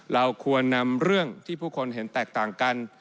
เราควรนำเรื่องที่ผู้คนเห็นแตกต่างกัน